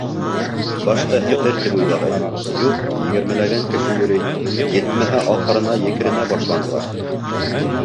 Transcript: Башта һеҙҙер, тип уйлағайным, юҡ, егермеләгән кеше йөрөй, етмәһә, аҡырына-екеренә башланылар.